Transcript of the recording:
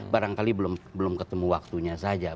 barangkali belum ketemu waktunya saja